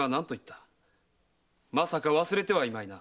まさか忘れてはいまいな？